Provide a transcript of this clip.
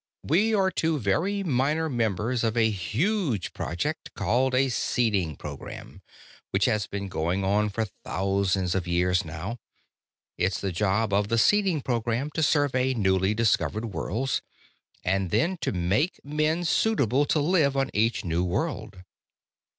We are two very minor members of a huge project called a 'seeding program', which has been going on for thousands of years now. It's the job of the seeding program to survey newly discovered worlds, and then to make men suitable to live on each new world."